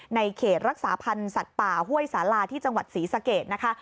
เขตรักษาพันธ์สัตว์ป่าห้วยสาลาที่จังหวัดศรีสะเกดนะคะ